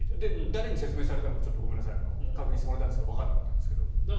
誰に説明されたかはごめんなさい確認してもらったんですがわからなかったんですが。